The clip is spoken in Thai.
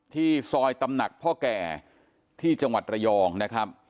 ที่ซอยตำหนักพ่อแก่ที่จังหวัดระยองนะครับ